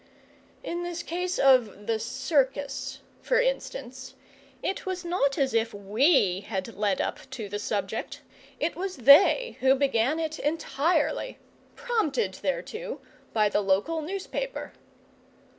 In this case of the circus, for instance, it was not as if we had led up to the subject. It was they who began it entirely prompted thereto by the local newspaper.